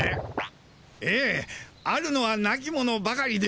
ええあるのは亡き者ばかりで。